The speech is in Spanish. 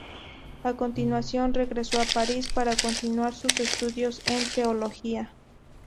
A continuación regresó a París para continuar sus estudios en Teología.